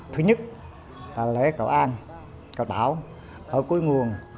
thứ nhất lễ cầu an cầu đảo ở cuối nguồn